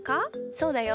そうだよ。